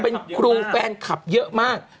เป็นครูแฟนคลับเยอะมาก